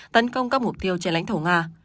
tấn công các mục tiêu trên lãnh thổ nga